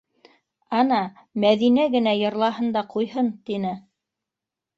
Ана, Мәҙинә генә йырлаһын да ҡуйһын, - тине.